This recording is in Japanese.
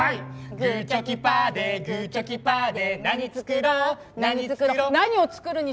「グーチョキパーでグーチョキパーで」